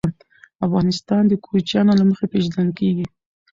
افغانستان د کوچیانو له مخي پېژندل کېږي.